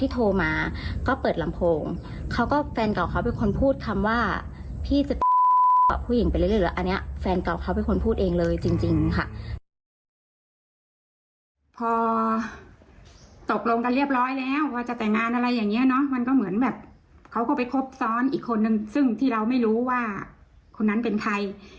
พอตกลงกันเรียบร้อยแล้วว่าจะแต่งงานอะไรอย่างนี้เนอะมันก็เหมือนแบบเขาก็ไปครบซ้อนอีกคนนึงซึ่งที่เราไม่รู้ว่าคนนั้นเป็นใคร